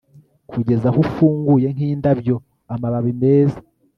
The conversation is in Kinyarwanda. kugeza aho ufunguye nk'indabyo, amababi meza